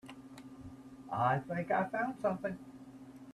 I think I found something.